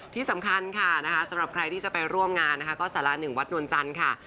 ที่สำคัญค่ะนะคะสำหรับใครที่จะไปร่วมงานนะคะก็สาระหนึ่งวัดนวลจันทร์ค่ะ